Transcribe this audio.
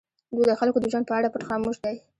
دوی د خلکو د ژوند په اړه پټ خاموش دي.